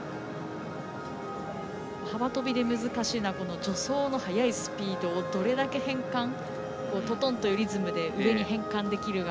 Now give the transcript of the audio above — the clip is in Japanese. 幅跳びで難しいのは助走の速いスピードをどれだけトトンというリズムで上に変換できるか。